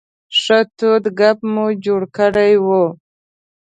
ښه تود ګپ مو جوړ کړی و.